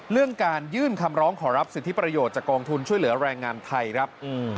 เรื่องการยื่นคำร้องขอรับสิทธิประโยชน์จากกองทุนช่วยเหลือแรงงานไทยครับ